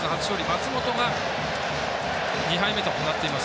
松本が２敗目となっています。